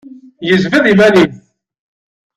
Yejbed iman-is.